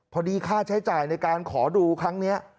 ค่าใช้จ่ายในการขอดูครั้งนี้